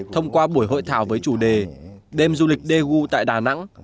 thông qua buổi hội thảo với chủ đề đêm du lịch daegu tại đà nẵng